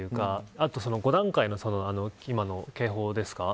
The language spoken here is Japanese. あと５段階の今の警報ですか。